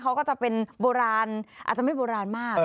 เขาก็จะเป็นโบราณอาจจะไม่โบราณมาก